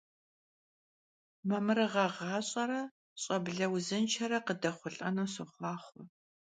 Mamırığe ğaş'ere ş'eble vuzınşşere khıdexhulh'enu soxhuaxhue!